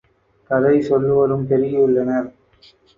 கதை சொல்வோரும் பெருகியுள்ளனர்.